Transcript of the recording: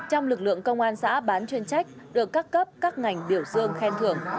trong lực lượng công an xã bán chuyên trách được các cấp các ngành biểu dương khen thưởng